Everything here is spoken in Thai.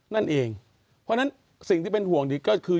นั่นเองเพราะฉะนั้นสิ่งที่เป็นห่วงดีก็คือ